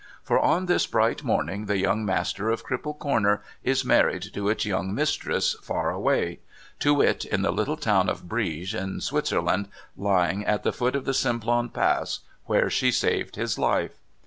For, on this bright morning the young master of Cripple Corner is married to its young mistress, far away : to wit, in the little town of Brieg, in Switzerland, lying at the foot of the Simplon Pass where she saved his life.